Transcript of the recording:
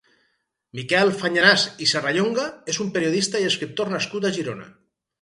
Miquel Fañanàs i Serrallonga és un periodista i escriptor nascut a Girona.